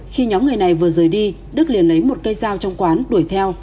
khi nhóm người này vừa rời đi đức liền lấy một cây dao trong quán đuổi theo